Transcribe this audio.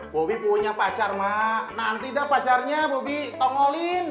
bobby punya pacar mak nanti dah pacarnya bobby tongolin